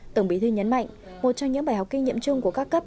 tổng bí thư nhấn mạnh một trong những bài học kinh nghiệm chung của các cấp